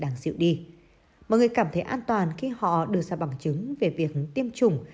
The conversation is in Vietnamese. mọi người cảm thấy an toàn khi họ đưa ra bằng chứng về việc tiêm chủng